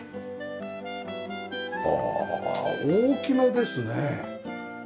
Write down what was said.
ああ大きめですね。